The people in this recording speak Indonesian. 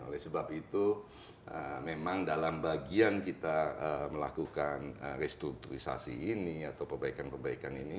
oleh sebab itu memang dalam bagian kita melakukan restrukturisasi ini atau perbaikan perbaikan ini